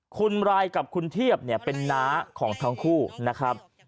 คุณรายกับคุณเทียบเนี่ยเป็นน้าของทั้งคู่นะครับ